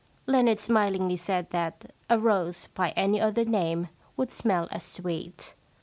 Leonard smilingly said that a rose by any other name would smell as sweet.